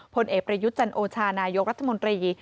ผลเอกประยุทธ์จันโอชานายกรัฐมนตรี